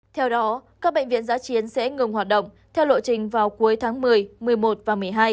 theo đó các bệnh viện giã chiến sẽ ngừng hoạt động theo lộ trình vào cuối tháng một mươi một mươi một và một mươi hai